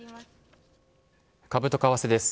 株と為替です。